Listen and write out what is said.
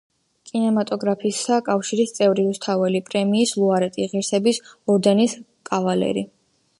კინემატოგრაფისტთა კავშირის წევრი, რუსთაველის პრემიის ლაურეატი, ღირსების ორდენის კავალერი.